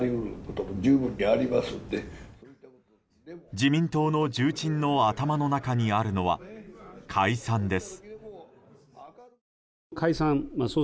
自民党の重鎮の頭の中にあるのは、解散です。